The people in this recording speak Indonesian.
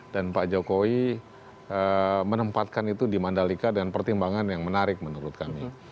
dan pak jokowi menempatkan itu di mandalika dengan pertimbangan yang menarik menurut kami